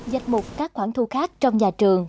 dạch mục các khoản thu khác trong nhà trường